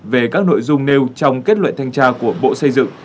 về các nội dung nêu trong kết luận thanh tra của bộ xây dựng